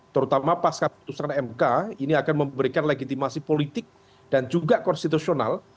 terutama pas keputusan mk ini akan memberikan legitimasi politik dan juga konstitusional